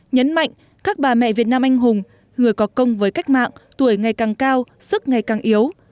nhấn mạnh các bà mẹ việt nam anh hùng người có công với cách mạng tuổi ngày càng cao sức ngày càng yếu